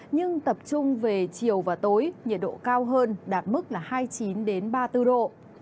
nhưng tập trung về chiều và tối nhiệt độ cao hơn đạt mức là hai mươi chín ba mươi bốn độ